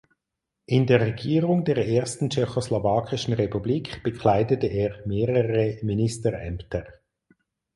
In der Regierung der Ersten Tschechoslowakischen Republik bekleidete er mehrere Ministerämter.